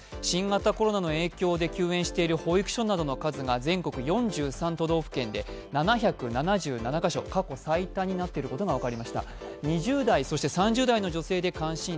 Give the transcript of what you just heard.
新型コロナの影響で休園している保育所などの数が全国４３都道府県で７７７カ所、過去最多になっていることが分かりました。